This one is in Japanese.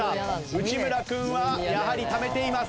内村君はやはりためています。